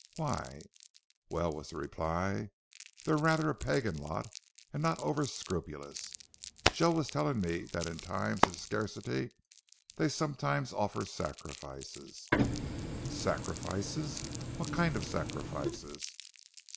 "Why?" "Well," was the reply, "they're rather a pagan lot, and not over scrupulous. Joe was telling me that in times of scarcity they sometimes offer sacrifices " "Sacrifices! What kind of sacrifices?"